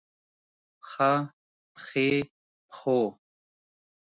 پښه ، پښې ، پښو